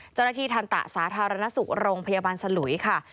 เจ้าหน้าที่ทันตะสาธารณสุขโรงพยาบาลสลุยค่ะ